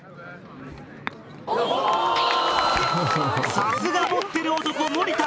さすが持ってる男森田！